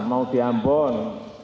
mau di ambon